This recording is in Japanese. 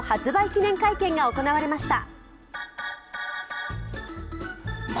記念会見が行われました。